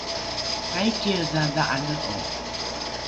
aikiedha dha’ane’o?